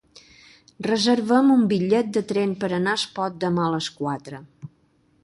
Reserva'm un bitllet de tren per anar a Espot demà a les quatre.